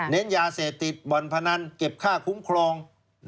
ยาเสพติดบ่อนพนันเก็บค่าคุ้มครอง